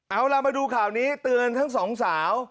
เอาล่ะมาดูข่าวนี้เตือนทั้งสองสาว